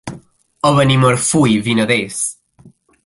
A Benimarfull, vinaders.